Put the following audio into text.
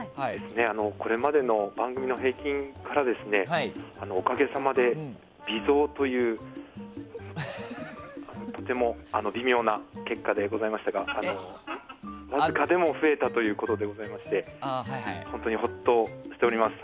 これまでの番組の平均からおかげさまで微増というとても微妙な結果でございましたがわずかでも増えたということですので本当にほっとしております。